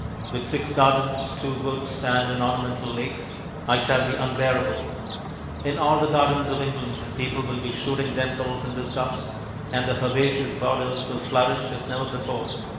With six gardens, two woods, and an ornamental lake I shall be unbearable. In all the gardens of England people will be shooting themselves in disgust, and the herbaceous borders will flourish as never before.